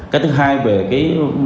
cái thứ hai về cái